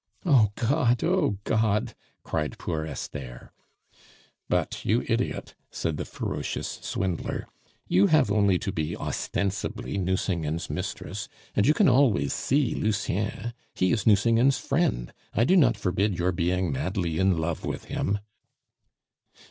"Oh God, oh God!" cried poor Esther. "But, you idiot," said the ferocious swindler, "you have only to be ostensibly Nucingen's mistress, and you can always see Lucien; he is Nucingen's friend; I do not forbid your being madly in love with him."